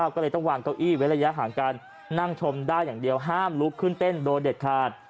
ก็เลยต้องวางเก้าอี้ไว้ระยะห่างการนั่งชมได้อย่างเดียวห้ามลุกขึ้นเต้นโดยเด็ดขาด